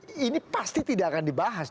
dan ini pasti tidak akan dibahas